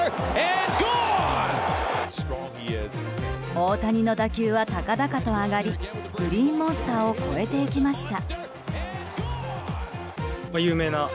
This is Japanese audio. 大谷の打球は高々と上がりグリーンモンスターを越えていきました。